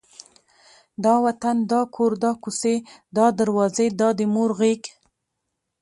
دا وطن، دا کور، دا کوڅې، دا دروازې، دا د مور غېږ،